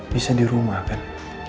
bisa di rumah kan